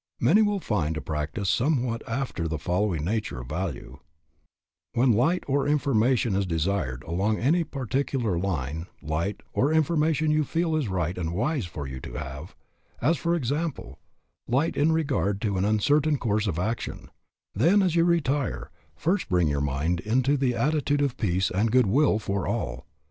Many will find a practice somewhat after the following nature of value: When light or information is desired along any particular line, light or information you feel it is right and wise for you to have, as, for example, light in regard to an uncertain course of action, then as you retire, first bring your mind into the attitude of peace and good will for all.